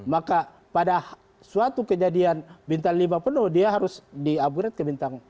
maka pada suatu kejadian bintang lima penuh dia harus di upgrade ke bintang tiga